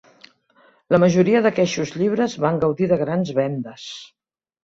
La majoria d'aqueixos llibres van gaudir de grans vendes.